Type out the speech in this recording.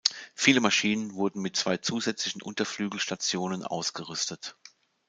Viele Maschinen wurden mit zwei zusätzlichen Unterflügelstationen ausgerüstet.